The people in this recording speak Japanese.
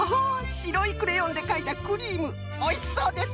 しろいクレヨンでかいたクリームおいしそうですこと！